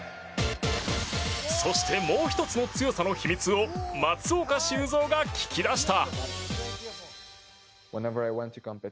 そして、もう１つの強さの秘密を松岡修造が聞き出した。